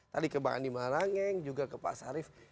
tadi ke bang andi marangeng juga ke pak sarif